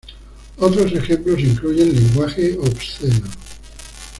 Otros ejemplos incluyen lenguaje obsceno.